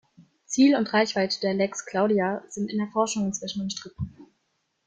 Ziel und Reichweite der "lex Claudia" sind in der Forschung inzwischen umstritten.